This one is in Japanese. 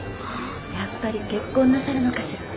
やっぱり結婚なさるのかしら？